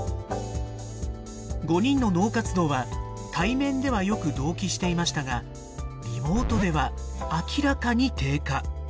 ５人の脳活動は対面ではよく同期していましたがリモートでは明らかに低下。